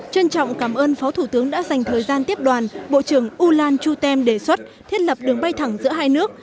trân trọng cảm ơn phó thủ tướng đã dành thời gian tiếp đoàn bộ trưởng u lan chu tem đề xuất thiết lập đường bay thẳng giữa hai nước